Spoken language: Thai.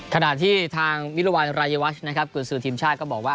ขนาดที่ทางมิรวรรณรายวัชกรุณสื่อทีมชาติก็บอกว่า